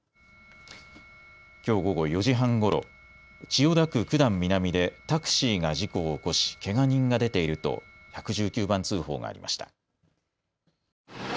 きょう午後４時半ごろ、千代田区九段南でタクシーが事故を起こしけが人が出ていると１１９番通報がありました。